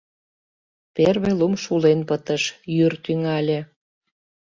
Первый лум шулен пытыш, йӱр тӱҥале.